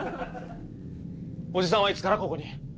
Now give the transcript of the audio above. おじさんはいつからここに？